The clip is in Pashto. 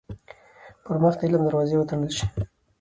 پـر مـخ د عـلم دروازې وتـړل شي.